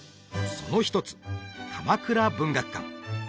その一つ鎌倉文学館